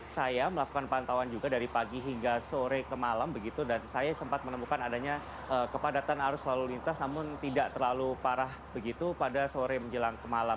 saya melakukan pantauan juga dari pagi hingga sore ke malam begitu dan saya sempat menemukan adanya kepadatan arus lalu lintas namun tidak terlalu parah begitu pada sore menjelang ke malam